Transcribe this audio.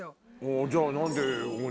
あじゃあ何で。